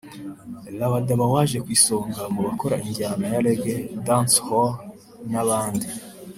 Rabadaba waje ku isonga mu bakora injyana ya Ragga/Dancehall n'abandi